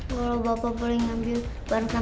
tidak ada uang morphe